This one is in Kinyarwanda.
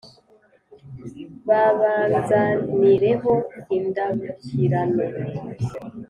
Babanzanireho indabukirano